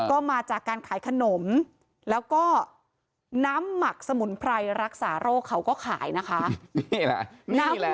ก็มาจากการขายขนมแล้วก็น้ำหมักสมุนไพรรักษาโรคเขาก็ขายนะคะนี่แหละนี่แหละ